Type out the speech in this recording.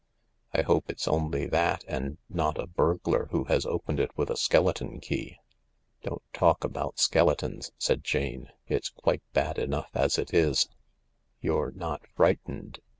I hope it's only that, and not a burglar who has opened it with a skeleton key." "Don't talk about skeletons," said Jane. "It's quite bad enough as it is." "You're not frightened